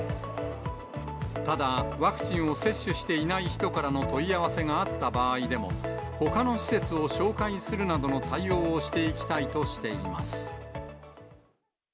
ただ、ワクチンを接種していない人からの問い合わせがあった場合でも、ほかの施設を紹介するなどの対応をしていきたいとしています。